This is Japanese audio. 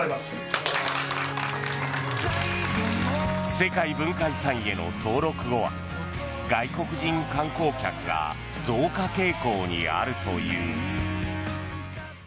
世界文化遺産への登録後は外国人観光客が増加傾向にあるという。